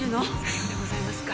さようでございますか。